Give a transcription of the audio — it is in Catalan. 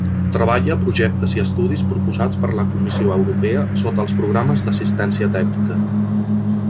Treballa a projectes i estudis proposats per la Comissió Europea sota els programes d'assistència tècnica.